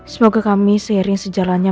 semoga kami seiring sejalannya